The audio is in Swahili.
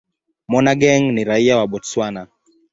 Monageng ni raia wa Botswana.